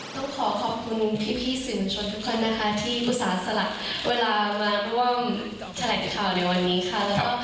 ต้องขอขอบคุณพี่สินชมทุกคนนะคะที่ผู้สาธารณะเวลามาร่วมแถลงข่าวในวันนี้ค่ะ